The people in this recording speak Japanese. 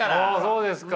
そうですか。